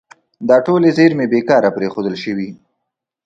دا ټولې زیرمې بې کاره پرېښودل شوي.